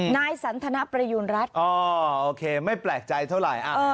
นายสันทนประยูณรัฐอ๋อโอเคไม่แปลกใจเท่าไหร่